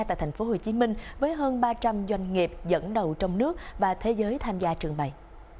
tại tp hcm với hơn ba trăm linh doanh nghiệp dẫn đầu trong nước và thế giới tham gia trường bày